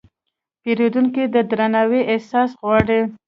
پیرودونکی د درناوي احساس غواړي.